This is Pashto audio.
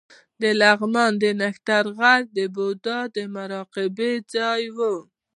د لغمان د نښتر غار د بودا د مراقبې ځای و